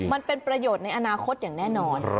มันเป็นประโยชน์ในอนาคตอย่างแน่นอน